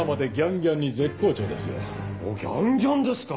ギャンギャンですか！